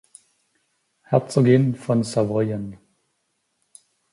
Herzogin von Savoyen.